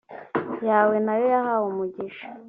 yawe na yo yahawe umugisha